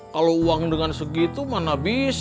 kalau uang dengan sujarah itu sudah harga khusus